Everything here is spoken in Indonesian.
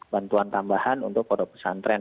bantuan tambahan untuk pondok pesantren